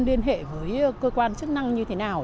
liên hệ với cơ quan chức năng như thế nào